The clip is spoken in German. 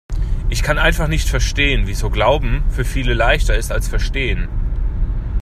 Ich kann einfach nicht verstehen, wieso Glauben für viele leichter ist als Verstehen.